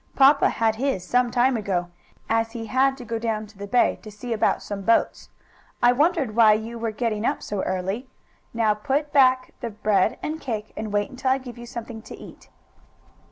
Papa had his some time ago, as he had to go down to the bay to see about some boats. I wondered why you were getting up so early. Now put back the bread and cake and wait until I give you something to eat."